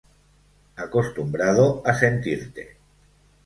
Acostumbrado a sentirte